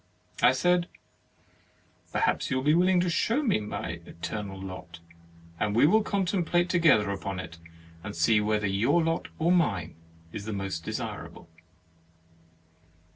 I said :" Perhaps you will be willing to show me my eternal lot, and we will contemplate together upon it, and see whether your lot or mine is most desirable.'